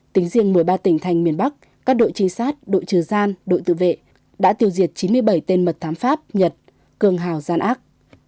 tính riêng một mươi ba tỉnh thành miền bắc các đội trinh sát đội trừ gian đội tự vệ đã tiêu diệt chín mươi bảy tên mật thám pháp nhật cường hào gian ác